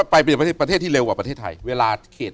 ไปเปลี่ยนประเทศที่เร็วกว่าประเทศไทยเวลาเขต